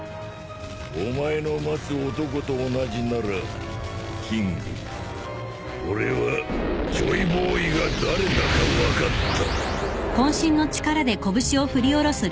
お前の待つ男と同じならキング俺はジョイボーイが誰だか分かった